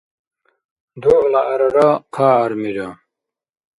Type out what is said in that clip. ДугӀла гӀярара хъа гӀярмира